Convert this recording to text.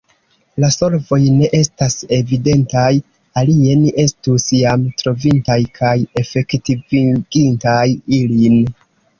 La solvoj ne estas evidentaj, alie ni estus jam trovintaj kaj efektivigintaj ilin.